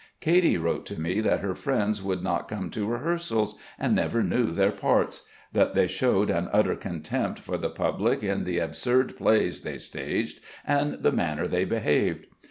Katy wrote to me that her friends would not come to rehearsals and never knew their parts; that they showed an utter contempt for the public in the absurd plays they staged and the manner they behaved.